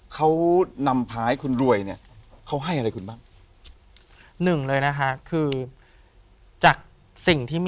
เขานำพาให้คุณรวยเนี่ย